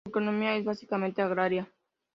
Su economía es básicamente agraria.